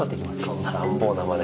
そんな乱暴な真似。